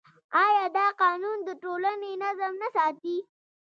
آیا دا قانون د ټولنې نظم نه ساتي؟